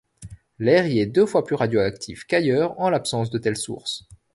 L'air y est deux fois plus radioactif qu'ailleurs en l'absence de telles sources.